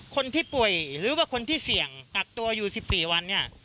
คนที่ป่วยหรือว่าคนที่เสี่ยงกักตัวอยู่๑๔วันเนี่ย